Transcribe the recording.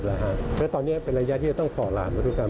เพราะตอนนี้เป็นระยะที่จะต้องขอร้านกันดูกัน